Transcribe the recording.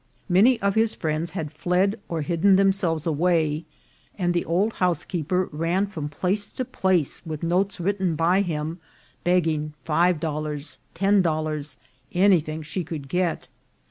Many of his friends had fled or hidden themselves away, and the old housekeeper ran from place to place with notes written by him, begging five dollars, ten dollars, any thing she could get.